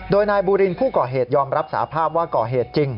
โดยนายบูรินผู้ก่อเหตุยอมรับสาภาพว่าก่อเหตุจริง